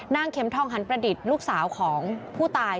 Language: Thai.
เข็มทองหันประดิษฐ์ลูกสาวของผู้ตาย